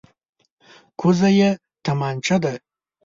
کوزه یې تمانچه ده.